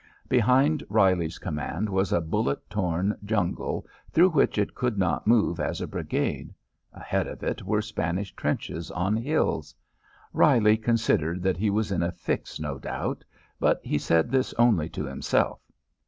Behind Reilly's command was a bullet torn jungle through which it could not move as a brigade; ahead of it were Spanish trenches on hills. Reilly considered that he was in a fix no doubt, but he said this only to himself.